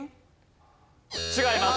違います。